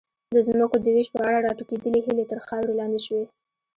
د ځمکو د وېش په اړه راټوکېدلې هیلې تر خاورې لاندې شوې.